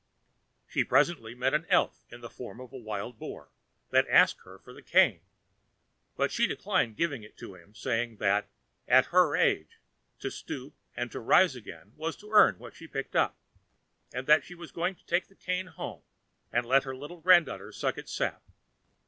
She presently met an elf in the form of a wild Boar, that asked her for the cane, but she declined giving it to him, saying that, at her age, to stoop and to rise again was to earn what she picked up, and that she was going to take the cane home, and let her little granddaughter suck its sap.